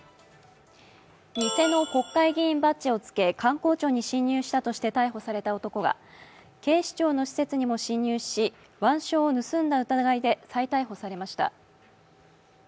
偽の国会議員バッジをつけ官公庁に侵入したとして逮捕された男が警視庁の施設にも侵入し、腕章を盗んだ疑いで再逮捕されました。